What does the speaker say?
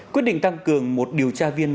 quyết định tăng cường một điều tra viên